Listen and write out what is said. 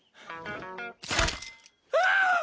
うわ！